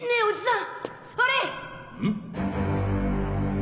ん？